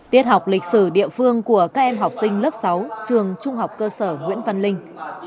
tiết học lịch sử địa phương của các em học sinh lớp sáu trường trung học cơ sở nguyễn văn linh